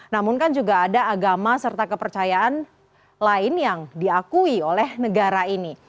namun kan juga ada agama serta kepercayaan lain yang diakui oleh negara ini